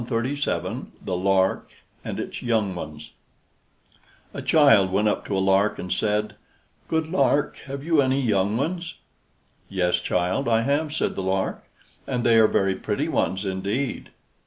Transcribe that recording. THE LARK AND ITS YOUNG ONES A child went up to a lark, and said, "Good lark, have you any young ones?" "Yes, child, I have," said the lark; "and they are very pretty ones indeed!"